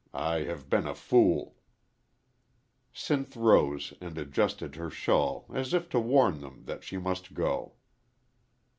I have been a fool." Sinth rose and adjusted her shawl as if to warn them that she must go.